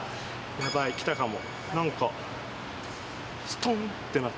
ヤバいきたかも。